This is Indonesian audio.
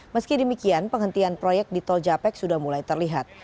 meski demikian penghentian proyek di tol japek sudah mulai terlihat